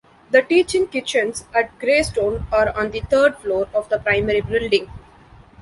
The teaching kitchens at Greystone are on the third floor of the primary building.